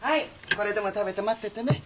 これでも食べて待っててね。